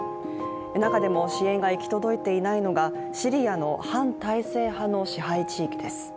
中でも支援が行き届いていないのはシリアの反体制派の支配地域です。